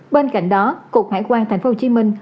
bên cạnh đó cục hải quan thành phố hồ chí minh